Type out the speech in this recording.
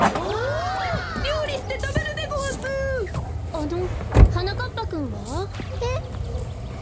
あのはなかっぱくんは？